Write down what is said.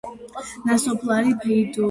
ნასოფლარი ფეოდალური ხანისაა.